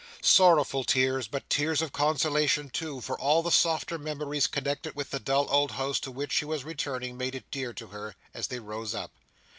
Sorrowful tears, but tears of consolation, too; for all the softer memories connected with the dull old house to which she was returning made it dear to her, as they rose up.